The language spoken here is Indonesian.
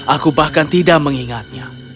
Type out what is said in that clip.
aku bahkan tidak mengingatnya